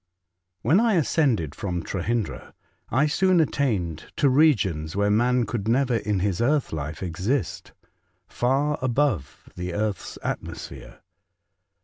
*' TT7HEN I ascended from Trebyndra, I soon VV attained to regions where man could never in his earth life exist — far above the earth's atmosphere.